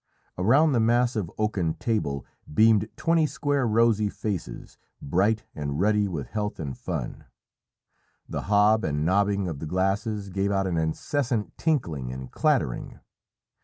Around the massive oaken table beamed twenty square rosy faces, bright and ruddy with health and fun. The hob and nobbing of the glasses gave out an incessant tinkling and clattering.